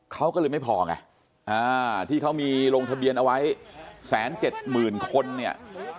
เขาก็เลยไม่พอไงที่เขามีลงทะเบียนเอาไว้๑๗๐๐๐คนเนี่ย